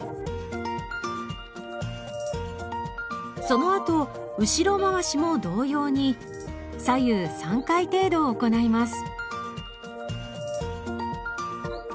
そのあと後ろ回しも同様に左右３回程度行います。